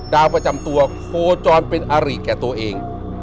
ดาวประจำตัวโคจรเป็นอาริแก่ตัวเอง